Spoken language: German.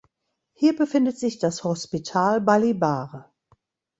Hier befindet sich das Hospital Balibar.